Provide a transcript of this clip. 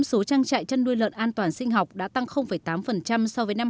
số trang trại chăn nuôi lợn an toàn sinh học đã tăng tám so với năm hai nghìn một mươi